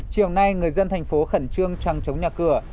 chiều nay người dân thành phố khẩn trương trăng chống nhà cửa